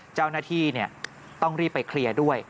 เจ้าหน้าที่ต้องรีบไปเคลียร์ด้วย